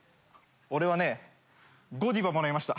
俺はねゴディバもらいました。